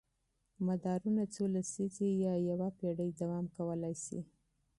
مدارونه څو لسیزې یا یوه پېړۍ دوام کولی شي.